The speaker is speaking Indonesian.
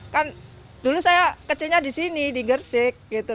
kan dulu saya kecilnya di sini di gersik gitu